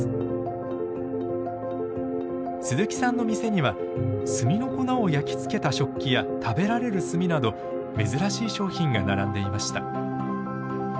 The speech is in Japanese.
鈴木さんの店には炭の粉を焼き付けた食器や食べられる炭など珍しい商品が並んでいました。